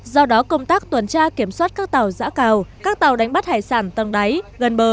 do đó công tác tuần tra kiểm soát các tàu giã cào các tàu đánh bắt hải sản tầng đáy gần bờ